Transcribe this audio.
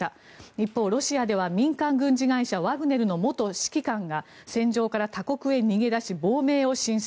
一方ロシアでは民間軍事会社ワグネルの元指揮官が戦場から他国へ逃げ出し亡命を申請。